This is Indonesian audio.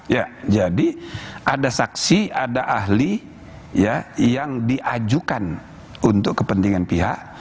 ya jadi ada saksi ada ahli yang diajukan untuk kepentingan pihak